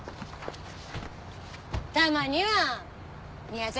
たまには宮崎